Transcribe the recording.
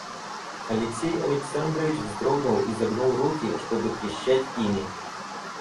Алексей Александрович вздрогнул и загнул руки, чтобы трещать ими.